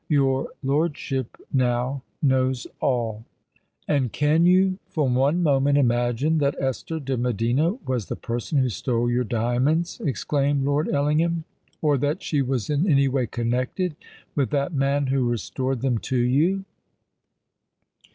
Your lordship now knows all." "And can you for one moment imagine that Esther de Medina was the person who stole your diamonds?" exclaimed Lord Ellingham: "or that she was in any way connected with that man who restored them to you?"